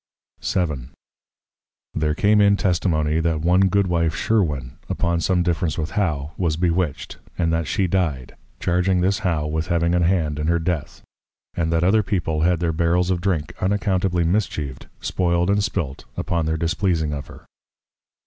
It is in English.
VII. There came in Testimony, that one Good wife Sherwin, upon some Difference with How, was Bewitched; and that she dyed, charging this How with having an Hand in her Death. And that other People had their Barrels of Drink unaccountably mischieved, spoil'd and spilt, upon their displeasing of her.